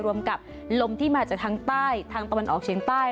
รวมกับลมที่มาจากทางใต้ทางตะวันออกเชียงใต้